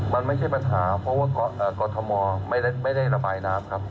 มันไม่ใช่ปัญหาเพราะว่ากรทมไม่ได้ระบายน้ำครับ